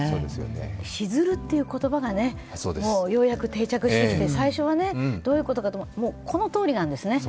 「シズル」っていう言葉がようやく定着してきて最初はどういうことかと、もう、このとおりなんですね。